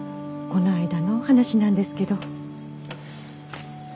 この間のお話なんですけど。